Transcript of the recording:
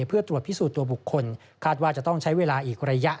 เพื่อตรวจพิสูจน์ตัวบุคคลคาดว่าจะต้องใช้เวลาอีกระยะ